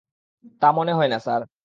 তা মনে হয় না, স্যার।